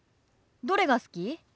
どれが好き？